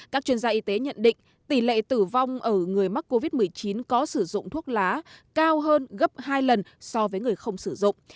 các chuyên gia y tế nhận định tỷ lệ tử vong ở người mắc covid một mươi chín có sử dụng thuốc lá cao hơn gấp hai lần so với người không sử dụng